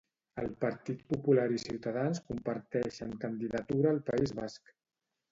El Partit Popular i Ciutadans comparteixen candidatura al País Basc.